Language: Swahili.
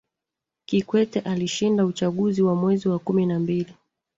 kikwete alishinda uchaguzi wa mwezi wa kumi na mbili